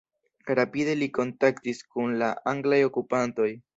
Rapide li kontaktis kun la anglaj okupantoj.